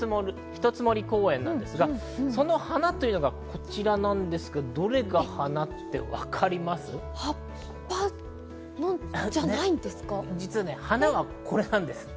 一つ森公園なんですが、その花というのが、こちらなんですが、葉っぱじゃないんですか？